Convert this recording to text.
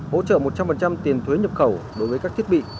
hỗ trợ một trăm linh tiền thuế nhập khẩu đối với các thiết bị